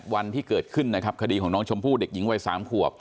วันที่เกิดขึ้นนะครับคดีของน้องชมพู่เด็กหญิงวัย๓ขวบ